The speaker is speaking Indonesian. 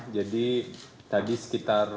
jadi tadi sekitar